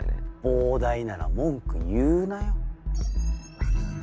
膨大なら文句言うなよ。